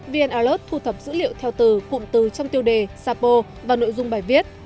vn alert thu thập dữ liệu theo từ cụm từ trong tiêu đề sapo và nội dung bài viết